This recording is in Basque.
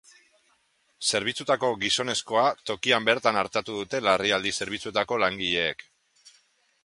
Zauritutako gizonezkoa tokian bertan artatu dute larrialdi zerbitzuetako langileek.